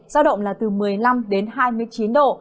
giao động là từ một mươi năm đến hai mươi chín độ